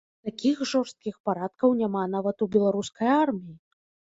Такіх жорсткіх парадкаў няма нават у беларускай арміі!